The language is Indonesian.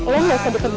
oh mau apa lagi kamu